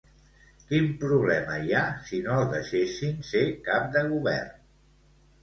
Quin problema hi ha si no el deixessin ser cap de govern?